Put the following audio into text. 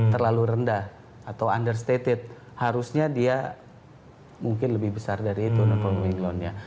terlalu rendah atau understated harusnya dia mungkin lebih besar dari itu non forming loan nya